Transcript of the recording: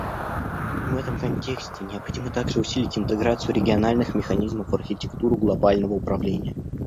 В этом контексте необходимо также усилить интеграцию региональных механизмов в архитектуру глобального управления.